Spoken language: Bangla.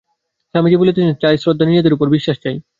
স্বামীজী বলিতেছেন চাই শ্রদ্ধা, নিজেদের ওপর বিশ্বাস চাই।